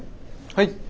はい。